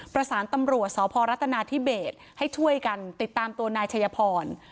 ประสานตำรวจสพรัฐนาธิเบสให้ช่วยกันติดตามตัวนายชัยพร